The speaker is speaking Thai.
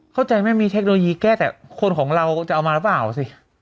เข้าใจไหมมีเทคโนโลยีแก้แต่คนของเราจะเอามาหรือเปล่าสิ